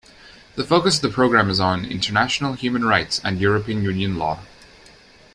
The focus of the program is on international human rights and European Union law.